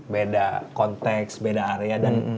beda konteks beda area dan